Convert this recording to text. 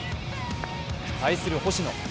対する星野。